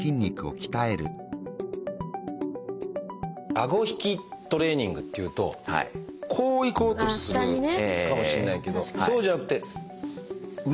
あご引きトレーニングっていうとこういこうとするかもしれないけどそうじゃなくて後ろにってことですね？